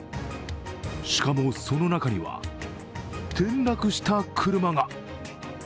しかも、その中には転落した車が。